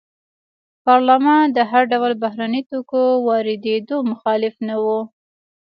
پارلمان د هر ډول بهرنیو توکو واردېدو مخالف نه و.